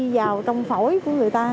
vào trong phổi của người ta